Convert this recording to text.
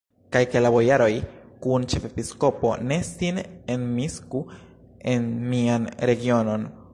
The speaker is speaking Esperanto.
Kaj ke la bojaroj kun ĉefepiskopo ne sin enmiksu en mian regionon!